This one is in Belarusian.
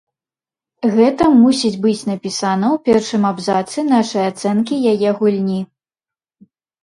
Гэта мусіць быць напісана ў першым абзацы нашай ацэнкі яе гульні.